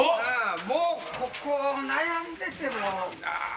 もうここ悩んでてもいや。